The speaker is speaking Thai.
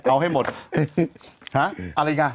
อะไรอีกนะ